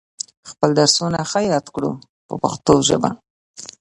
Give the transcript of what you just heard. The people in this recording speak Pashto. خپل درسونه ښه یاد کړو په پښتو ژبه.